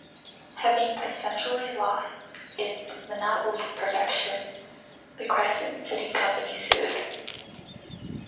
Having essentially lost its monopoly protection, the Crescent City Company sued.